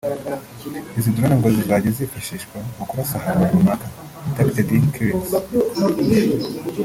Izi Drones ngo zizajya zifashishwa mu kurasa ahantu runaka(targeted killings)